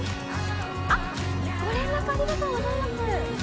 あっご連絡ありがとうございます。